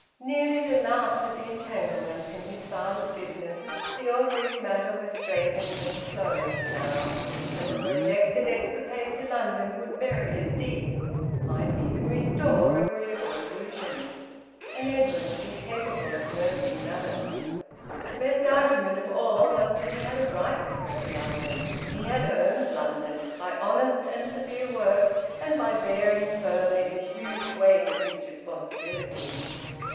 Nearly the last of the entanglements in his father's business, the Orgreave matter was straightened and closed now; and the projected escapade to London would bury it deep, might even restore agreeable illusions. And Edwin was incapable of nursing malice. The best argument of all was that he had a right to go to London. He had earned London, by honest and severe work, and by bearing firmly the huge weight of his responsibility.